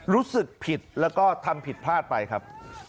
รู้สึกผิดแล้วก็ทำผิดพลาดไปครับ